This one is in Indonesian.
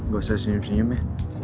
gak usah senyum senyum ya